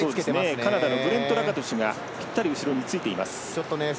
カナダのブレント・ラカトシュがしっかりついています。